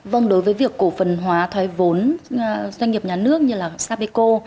vâng đối với việc cổ phần hóa thoái vốn doanh nghiệp nhà nước như là sapeco